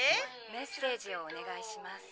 メッセージをおねがいします。